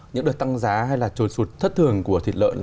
những đợt tăng giá hay là trồi sụt thất thường của thịt lợn